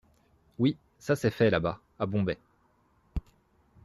Oui, ça s’est fait là-bas, à Bombay.